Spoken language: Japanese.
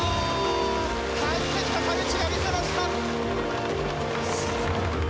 帰ってきた田口が見せました！